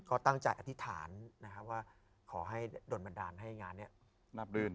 ก็ตั้งใจอธิษฐานว่าขอให้ด่วนบันดาลให้งานนี้